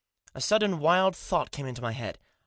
A sudden wild thought came into my head.